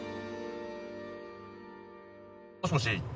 もしもし。